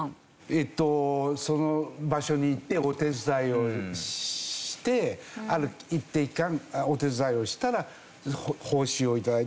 えっとその場所に行ってお手伝いをしてある一定期間お手伝いをしたら報酬を頂いて。